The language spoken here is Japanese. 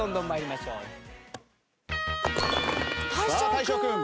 大昇君。